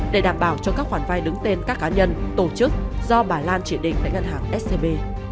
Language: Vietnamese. để đảm bảo cho các khoản vai đứng tên các cá nhân tổ chức do bà lan chỉ định tại ngân hàng scb